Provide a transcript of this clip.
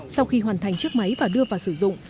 sau khi hoàn thành chiếc máy và đưa vào sử dụng